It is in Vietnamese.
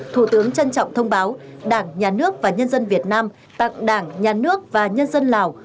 thủ tướng trân trọng thông báo đảng nhà nước và nhân dân việt nam tặng đảng nhà nước và nhân dân lào